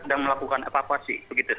lalu dilakukan evakuasi